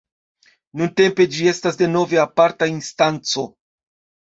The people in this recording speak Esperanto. Nuntempe ĝi estas denove aparta instanco.